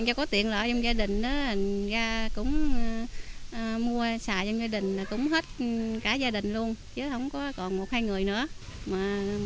cho có tiện lại cho gia đình đó mình ra cũng mua xài cho gia đình cũng hết cả gia đình luôn chứ không còn một hai người nữa